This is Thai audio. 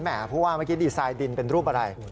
เพราะว่าเมื่อกี้ดีไซน์ดินเป็นรูปอะไร